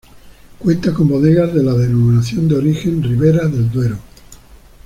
Cuenta con bodegas de la Denominación de Origen Ribera del Duero.